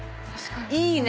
いいね。